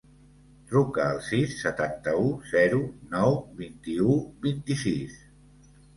Truca al sis, setanta-u, zero, nou, vint-i-u, vint-i-sis.